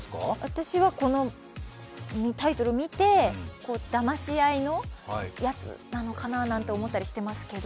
私はこのタイトルを見てだまし合いのやつなのかななんて思ったりしてますけど。